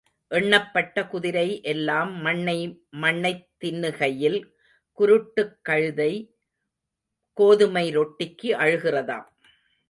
எண்ணப்பட்ட குதிரை எல்லாம் மண்ணை மண்ணைத் தின்னு கையில் குருட்டுக் கழுதை கோதுமை ரொட்டிக்கு அழுகிற தாம்.